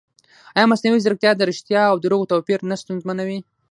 ایا مصنوعي ځیرکتیا د ریښتیا او دروغو توپیر نه ستونزمنوي؟